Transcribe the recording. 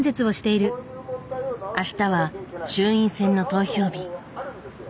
あしたは衆院選の投票日。